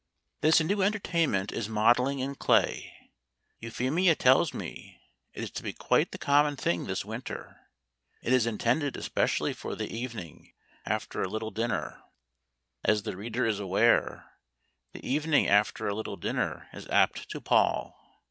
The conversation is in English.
This new entertainment is modelling in clay. Euphemia tells me it is to be quite the common thing this winter. It is intended especially for the evening, after a little dinner. As the reader is aware, the evening after a little dinner is apt to pall.